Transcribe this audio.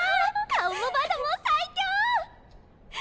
顔もバドも最強！